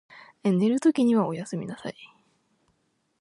寝るときにおやすみなさい。